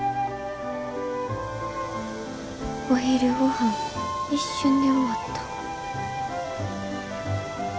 お昼ごはん一瞬で終わった。